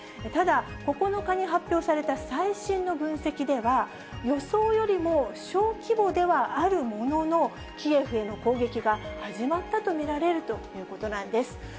ただ、９日に発表された最新の分析では、予想よりも小規模ではあるものの、キエフへの攻撃が始まったと見られるということなんです。